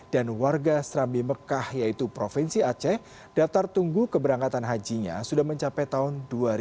warga serambi mekah yaitu provinsi aceh daftar tunggu keberangkatan hajinya sudah mencapai tahun dua ribu dua puluh